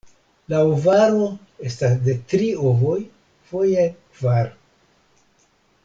La ovaro estas de tri ovoj, foje kvar.